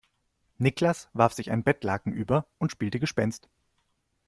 Niklas warf sich ein Bettlaken über und spielte Gespenst.